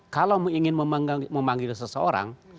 kalau ingin memanggil seseorang